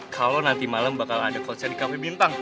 kalo nanti malem bakal ada konser di cafe bintang